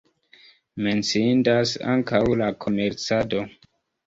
Menciindas ankaŭ la komercado.